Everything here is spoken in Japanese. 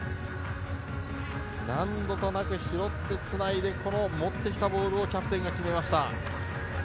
何度となく拾ってつないで持ってきたボールをキャプテンが決めました。